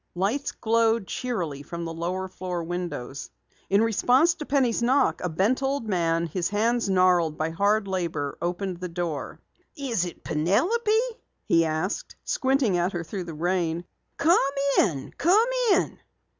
Lights glowed cheerily from the lower floor windows. In response to Penny's knock, a bent old man, his hands gnarled by hard labor, opened the door. "Is it Penelope?" he asked, squinting at her through the rain. "Come in! Come in!"